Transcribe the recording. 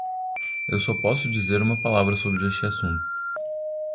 Eu só posso dizer uma palavra sobre este assunto.